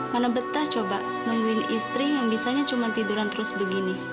mana betah coba nungguin istri yang bisanya cuma tiduran terus begini